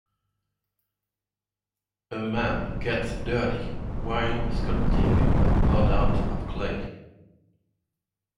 A man gets dirty while sculpting a pot out of clay